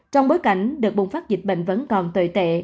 trong bối cảnh đợt bùng phát dịch bệnh vẫn còn tồi tệ